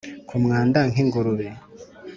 nkumwanda nk'ingurube